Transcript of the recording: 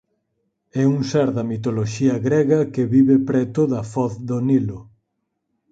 é un ser da mitoloxía grega que vive preto da foz do Nilo.